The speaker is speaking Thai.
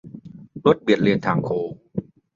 - รถเบียดเลนทางโค้ง